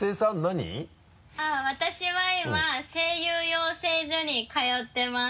私は今声優養成所に通ってます。